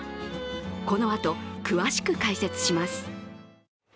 このあと、詳しく解説します。